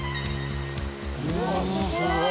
うわっすごい！